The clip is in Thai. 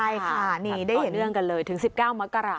ใช่ค่ะนี่ได้เห็นเรื่องกันเลยถึง๑๙มกราศ